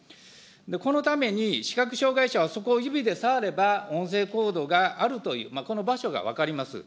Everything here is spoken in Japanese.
このために視覚障害者はそこを指で触れば、音声コードがあるという、この場所が分かります。